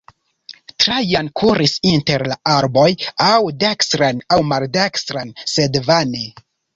Trajan kuris inter la arboj, aŭ dekstren aŭ maldekstren, sed vane.